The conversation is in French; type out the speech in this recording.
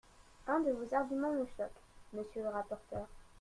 Un de vos arguments me choque, monsieur le rapporteur.